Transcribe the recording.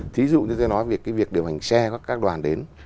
thí dụ như tôi nói việc điều hành xe các đoàn đến